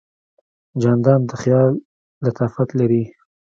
جانداد د خیال لطافت لري.